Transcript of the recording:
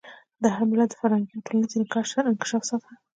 د هر ملت د فرهنګي او ټولنیز انکشاف سطح.